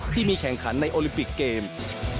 ที่มีแข่งขันในโอลิมปิกเกมส์